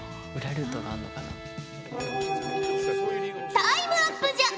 タイムアップじゃ！